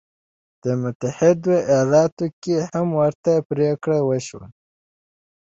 په متحده ایالتونو کې هم ورته پرېکړه وشوه.